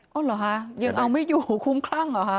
เอาเหรอคะยังเอาไม่อยู่คุ้มคลั่งเหรอคะ